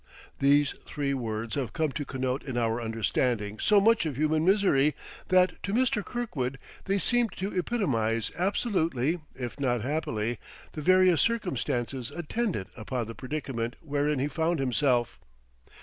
These three words have come to connote in our understanding so much of human misery, that to Mr. Kirkwood they seemed to epitomize absolutely, if not happily, the various circumstances attendant upon the predicament wherein he found himself.